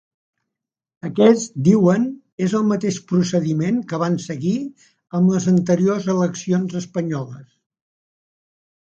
Aquest, diuen, és el mateix procediment que van seguir amb les anteriors eleccions espanyoles.